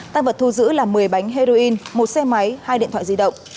tăng vật thu giữ là một mươi bánh heroin một xe máy hai điện thoại di động